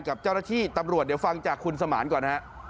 กับเจ้าหน้าที่ตำรวจเดี๋ยวฟังจากคุณสมานก่อนฮะ